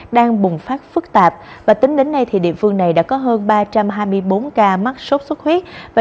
đang bùng phát phức tạp và tính đến nay thì địa phương này đã có hơn ba trăm hai mươi bốn ca mắc sốt xuất huyết